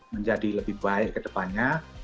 menjadi lebih baik kedepannya